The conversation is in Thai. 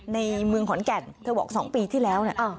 ในเมืองขอนแก่นเธอบอก๒ปีที่แล้วเนี่ย